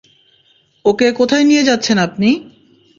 ওকে কোথায় নিয়ে যাচ্ছেন আপনি?